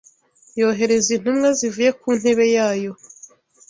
yohereza intumwa zivuye ku ntebe yayo